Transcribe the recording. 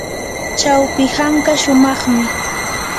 chawpi hanka shumaqmi.